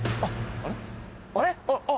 あれ？